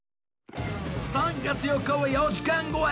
３月４日は４時間超え